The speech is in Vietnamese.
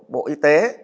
bộ y tế